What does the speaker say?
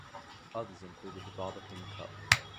Others included the Barbican Cup.